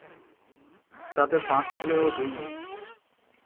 তাদের পাঁচ ছেলে ও দুই মেয়ে।